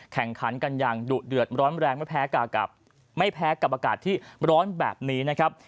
แข่งขันกันอย่างดุเดือดร้อนแรงไม่แพ้กับไม่แพ้กับอากาศที่ร้อนแบบนี้นะครับ